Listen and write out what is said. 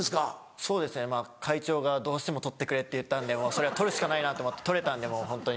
そうですねまぁ会長が「どうしても取ってくれ」って言ったんでもうそれは取るしかないなと思って取れたんでもうホントに。